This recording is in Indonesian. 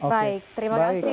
baik terima kasih